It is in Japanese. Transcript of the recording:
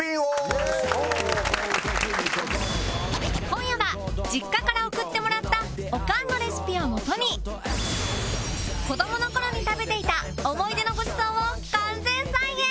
今夜は実家から送ってもらったオカンのレシピをもとに子どもの頃に食べていた思い出のご馳走を完全再現！